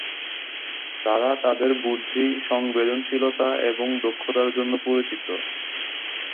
তারা তাদের বুদ্ধি, সংবেদনশীলতা এবং দক্ষতার জন্য পরিচিত।